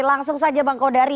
langsung saja bang kodari